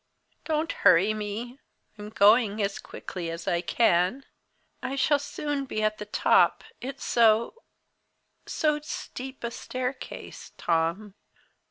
"Don't hurry me! I'm going as quickly as I can. I shall soon be at the top! It's so so steep a staircase Tom."